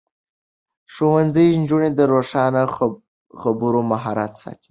ښوونځی نجونې د روښانه خبرو مهارت ساتي.